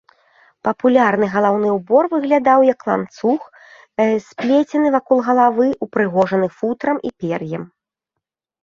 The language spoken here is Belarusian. Папулярны галаўны ўбор выглядаў як ланцуг, сплецены вакол галавы, упрыгожаны футрам і пер'ем.